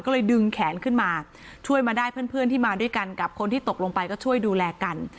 ก็เลยดึงแขนขึ้นมาช่วยมาได้เพื่อนที่มาด้วยกันกับคนที่ตกลงไปก็ช่วยดูแลกัน